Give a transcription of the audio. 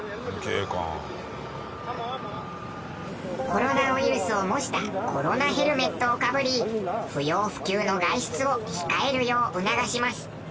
コロナウイルスを模したコロナヘルメットをかぶり不要不急の外出を控えるよう促します。